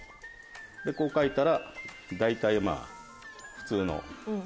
こう描いたら大体普通の。